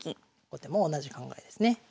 後手も同じ考えですね。